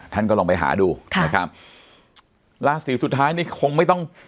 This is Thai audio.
ท่านก็ลองไปหาดูค่ะนะครับราศีสุดท้ายนี่คงไม่ต้อง